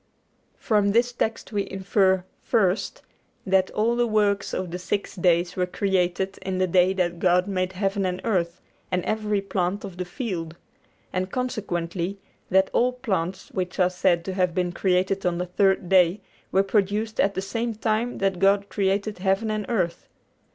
From this text we infer, first, that all the works of the six days were created in the day that God made heaven and earth and every plant of the field; and consequently that all plants, which are said to have been created on the third day, were produced at the same time that God created heaven and earth.